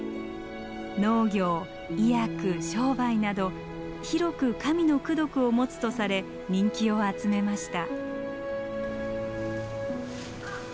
農業医薬商売など広く神の功徳を持つとされ人気を集めました。